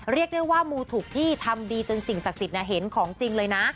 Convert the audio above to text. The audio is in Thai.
เรียกได้ว่ามูถูกที่ทำดีจนสิ่งศักดิ์สิทธิ์เห็นของจริงเลยนะ